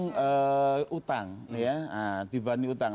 yang utang ya dibanding utang